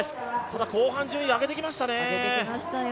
ただ後半順位上げてきましたね。